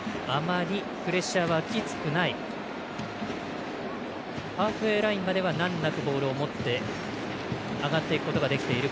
あまりプレッシャーはきつくないハーフウェーラインまでは難なくボールを持って上がっていくことができている